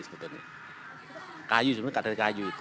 kayu sebenarnya tidak dari kayu